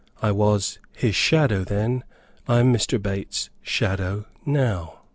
I was his shadow then. I am Mr. Bates's shadow now."